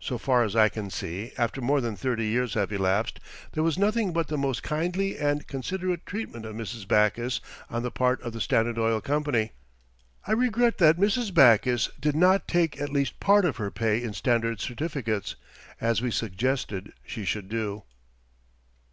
So far as I can see, after more than 30 years have elapsed, there was nothing but the most kindly and considerate treatment of Mrs. Backus on the part of the Standard Oil Company. I regret that Mrs. Backus did not take at least part of her pay in Standard certificates, as we suggested she should do.